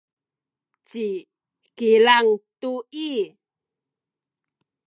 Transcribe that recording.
ci Kilang tu i